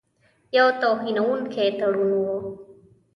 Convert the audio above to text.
یو توهینونکی تړون وو.